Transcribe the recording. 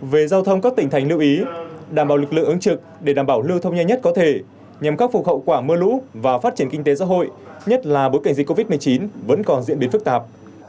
về giao thông các tỉnh thành lưu ý đảm bảo lực lượng ứng trực để đảm bảo lưu thông nhanh nhất có thể nhằm khắc phục hậu quả mưa lũ và phát triển kinh tế xã hội nhất là bối cảnh dịch covid một mươi chín vẫn còn diễn biến phức tạp